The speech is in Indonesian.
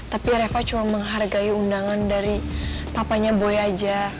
tapi eva cuma menghargai undangan dari papanya boy aja